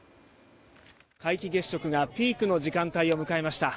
皆既月食がピークの時間帯を迎えました。